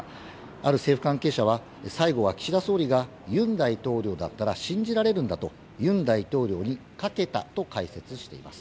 ある政府関係者は最後は岸田総理が尹大統領だったら信じられるんだと尹大統領にかけたと解説しています。